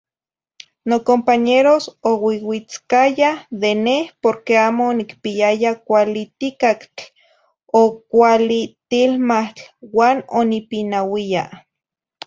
Nocompañeros ouiuitzcaya de neh porque amo onicpiyaya cualli ticactl o cualli tihlmahtl uan onipinauiya.